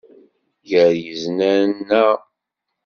Gar yiznan-a.